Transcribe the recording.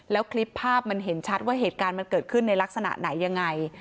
แล้วคลิปภาพมันเห็นชัดว่าเหตุการณ์มันเกิดขึ้นในลักษณะไหนยังไง